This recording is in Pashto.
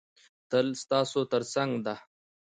تل ستاسو تر څنګ ده.